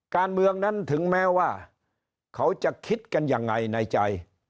การเมืองนั้นถึงแม้ว่าเขาจะคิดกันยังไงในใจ